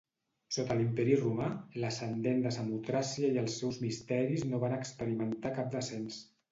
Sota l'Imperi romà, l'ascendent de Samotràcia i els seus misteris no va experimentar cap descens.